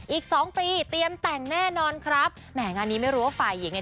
อีกสองปีเตรียมแต่งแน่นอนครับแหมงานนี้ไม่รู้ว่าฝ่ายหญิงเนี่ย